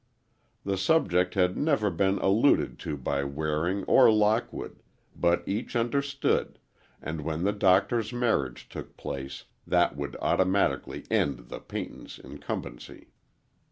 The subject had never been alluded to by Waring or Lockwood, but each understood, and when the Doctor's marriage took place, that would automatically end the Peytons' incumbency.